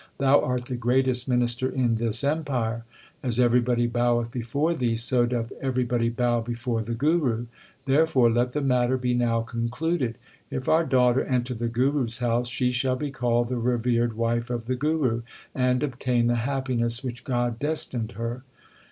Thou art the greatest minister in this empire. As everybody boweth before thee, so doth everybody bow before the Guru. Therefore let the matter be now concluded. If our daughter enter the Guru s house she shall be called the revered 1 This is a euphemism for a bribe. 74 THE SIKH RELIGION wife of the Guru ; and obtain the happiness which God destined her.